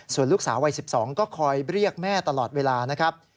ส่วนลูกสาววัย๑๒ก็คอยเรียกแม่ตลอดเวลานะครับ